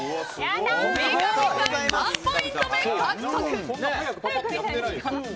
三上さん、３ポイント獲得！